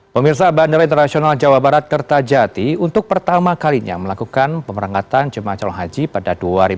pemirsa bandara internasional jawa barat kertajati untuk pertama kalinya melakukan pemerangkatan jemaah calon haji pada dua ribu dua puluh